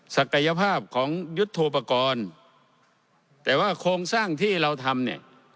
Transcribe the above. ศักยภาพของยุทธโทปกรณ์แต่ว่าโครงสร้างที่เราทำเนี่ย